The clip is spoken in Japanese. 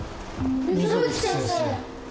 溝口先生。